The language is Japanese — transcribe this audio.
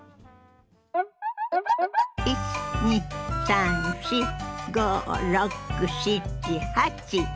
１２３４５６７８。